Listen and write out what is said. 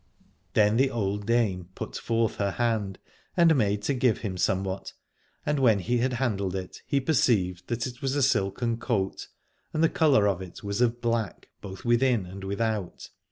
Then the old dame put forth her hand and made to give him somewhat, and when he had handled it he perceived that it was a silken coat, and the colour of it was of black, both within and without.